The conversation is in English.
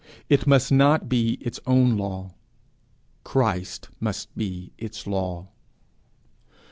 It must not be its own law; Christ must be its law.